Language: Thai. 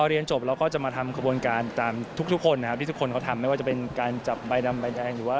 เดี๋ยวเราค่อยว่ากันอีกที